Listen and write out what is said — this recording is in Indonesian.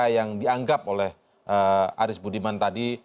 yang dianggap oleh aris budiman tadi